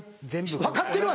分かってるわ！